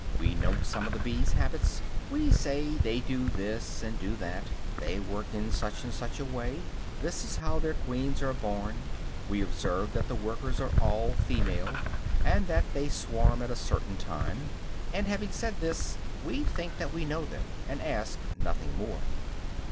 We note some of the bees' habits; we say, they do this, and do that, they work in such and such a way, this is how their queens are born; we observe that the workers are all females and that they swarm at a certain time. And having said this, we think that we know them, and ask nothing more.